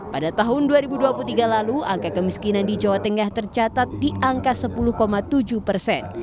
pada tahun dua ribu dua puluh tiga lalu angka kemiskinan di jawa tengah tercatat di angka sepuluh tujuh persen